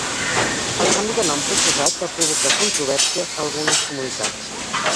El canvi de nom proposat va provocar controvèrsies a algunes comunitats.